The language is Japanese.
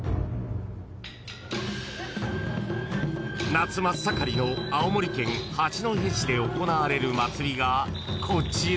［夏真っ盛りの青森県八戸市で行われる祭りがこちら］